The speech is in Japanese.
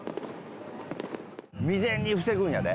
未然に防ぐんやで。